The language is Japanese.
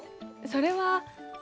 それは。